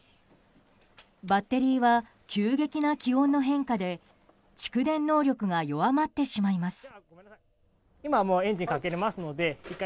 バッテリーは急激な気温の変化で蓄電能力が弱まってしまいます。